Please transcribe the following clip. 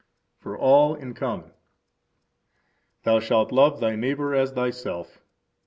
For All in Common. Thou shalt love thy neighbor as thyself.